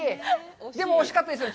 でも惜しかったですよね。